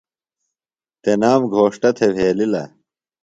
تنام گھوݜٹہ تھےۡ وھیلِلہ۔